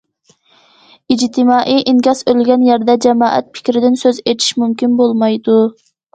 ئىجتىمائىي ئىنكاس ئۆلگەن يەردە، جامائەت پىكرىدىن سۆز ئېچىش مۇمكىن بولمايدۇ.